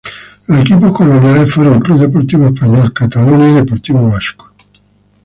Los equipos coloniales fueron: Club Deportivo Español, Catalonia y Deportivo Vasco.